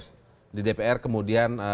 paket di dpr kemudian